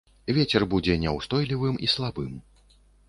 Вецер будзе няўстойлівым і слабым.